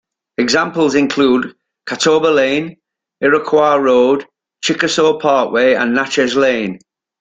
Examples include Catawba Lane, Iroquois Road, Chickasaw Parkway, and Natchez Lane.